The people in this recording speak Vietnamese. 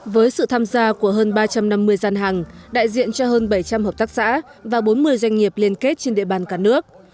với sự tham gia của hơn ba trăm năm mươi gian hàng đại diện cho hơn bảy trăm linh hợp tác xã và bốn mươi doanh nghiệp liên kết trên địa bàn cả nước